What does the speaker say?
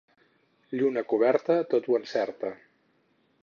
Lluna coberta tot ho encerta.